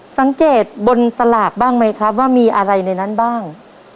สังเกตบนสลากบ้างไหมครับว่ามีอะไรในนั้นบ้าง